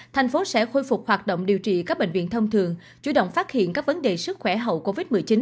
thành phố sẽ khôi phục hoạt động điều trị các bệnh viện thông thường chủ động phát hiện các vấn đề sức khỏe hậu covid một mươi chín